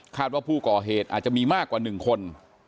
ว่าผู้ก่อเหตุอาจจะมีมากกว่า๑คน